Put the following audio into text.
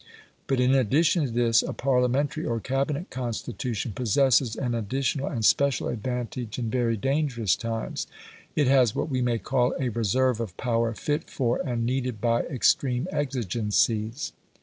But in addition to this, a Parliamentary or Cabinet Constitution possesses an additional and special advantage in very dangerous times. It has what we may call a reserve of power fit for and needed by extreme exigencies.